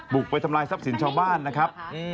บุกไปทำลายทรัพย์สินชาวบ้านนะครับ